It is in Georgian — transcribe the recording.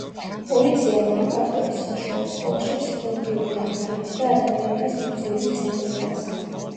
პოლიციამ მაკარტურის საშუალო სკოლაში ფსიქოლოგიური დახმარების და ადამიანების მოძიების ცენტრი გახსნა.